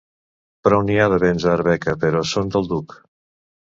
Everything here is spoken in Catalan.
Prou n'hi ha de béns a Arbeca, però són del duc.